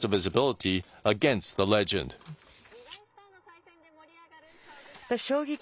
二大スターの再戦で盛り上がる将棋界。